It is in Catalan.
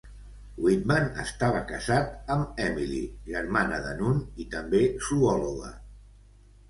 Whitman estava casat amb Emily, germana de Nunn i també zoòloga.